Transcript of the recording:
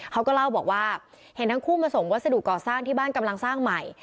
เขาก็เล่าบอกว่าเห็นทั้งคู่มาส่งวัสดุก่อสร้างที่บ้านกำลังสร้างใหม่